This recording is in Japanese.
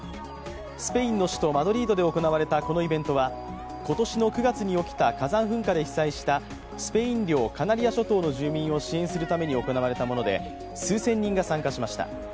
スペインの首都マドリードで行われたこのイベントは、今年の９月に起きた火山噴火で被災したスペイン領カナリア諸島の住民を支援するために行われたもので数千人が参加しました。